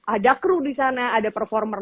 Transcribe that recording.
ada kru di sana ada performer